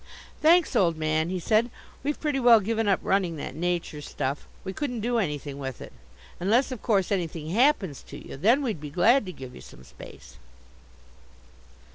"Thanks, old man," he said, "we've pretty well given up running that nature stuff. We couldn't do anything with it unless, of course, anything happens to you. Then we'd be glad to give you some space."